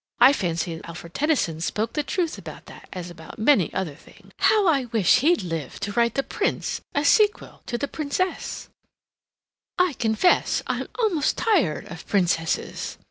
I fancy Alfred Tennyson spoke the truth about that as about many other things. How I wish he'd lived to write 'The Prince'—a sequel to 'The Princess'! I confess I'm almost tired of Princesses.